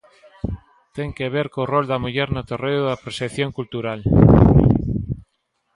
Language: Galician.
Ten que ver co rol da muller no terreo da proxección cultural.